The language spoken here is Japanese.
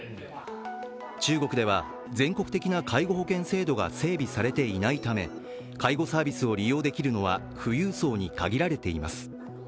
中国では全国的な介護保険制度が整備されていないため、介護サービスを利用できるのは富裕層に限られています。